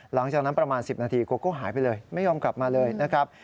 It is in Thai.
หลังจากนั้นประมาณ๑๐นาทีโกโก้หายไปเลยไม่ยอมกลับมาเลยนะครับ